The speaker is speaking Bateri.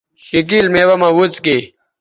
شِکِیل میوہ مہ وڅکیئ